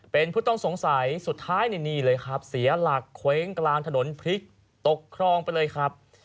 เป็นผู้ต้องสงสัยสุดท้ายนี่เลยครับเสียหลักเคว้งกลางถนนพลิกตกครองไปเลยครับ